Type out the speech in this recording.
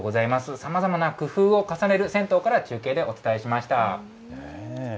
さまざまな工夫を重ねる銭湯から中継でお伝えしました。